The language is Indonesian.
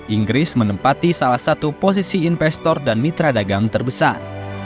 inggris menempati salah satu posisi investor dan mitra dagang terbesar